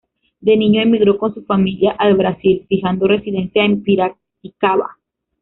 De niño, emigró con su familia al Brasil, fijando residencia en Piracicaba.